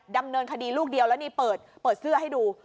ดำเนินคดีลูกเดียวแล้วนี่เปิดเสื้อให้ดู